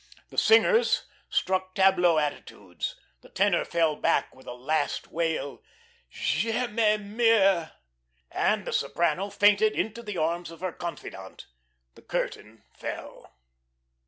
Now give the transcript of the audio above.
The singers struck tableau attitudes, the tenor fell back with a last wail: "Je me meurs," and the soprano fainted into the arms of her confidante. The curtain fell.